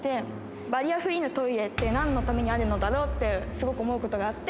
バリアフリーのトイレってなんのためにあるのだろうって、すごく思うことがあって。